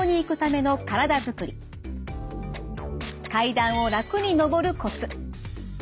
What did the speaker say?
階段を楽に上るコツ。